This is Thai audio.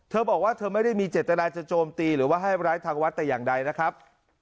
เธอบอกว่าเธอไม่ได้มีเจตนาจะโจมตีหรือว่าให้ร้ายทางวัดแต่อย่างใดนะครับ